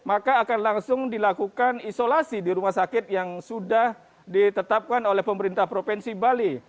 maka akan langsung dilakukan isolasi di rumah sakit yang sudah ditetapkan oleh pemerintah provinsi bali